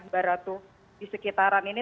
baratuh di sekitaran ini